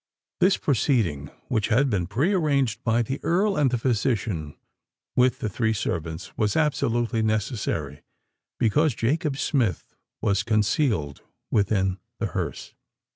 This proceeding, which had been pre arranged by the Earl and the physician with the three servants, was absolutely necessary: because Jacob Smith was concealed within the hearse!